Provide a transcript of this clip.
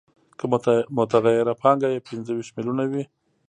که متغیره پانګه یې پنځه ویشت میلیونه وي